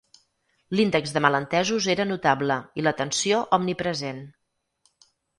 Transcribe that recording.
L'índex de malentesos era notable i la tensió omnipresent.